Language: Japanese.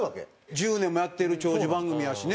１０年もやってる長寿番組やしね。